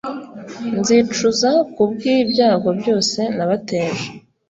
nzicuza ku bw ibyago byose nabateje